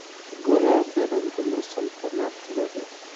ګلاب د رنګونو سلطنت لري.